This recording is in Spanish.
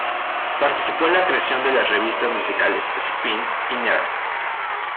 Participó en la creación de las revistas musicales "Spin" y "Nerve".